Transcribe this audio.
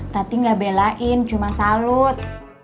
tapi gak belain cuma salut